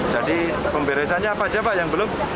jadi pemberesannya apa aja pak yang belum